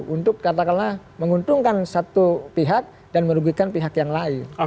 untuk katakanlah menguntungkan satu pihak dan merugikan pihak yang lain